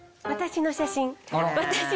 私の写真。